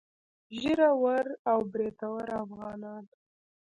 ږيره ور او برېتور افغانان.